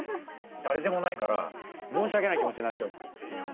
誰でもないから申し訳ない気持ちになっちゃうんですよ。